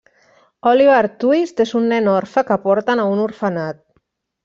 Oliver Twist és un nen orfe que porten a un orfenat.